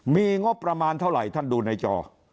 มีงบประมาณเท่าไหร่ท่านดูในจอ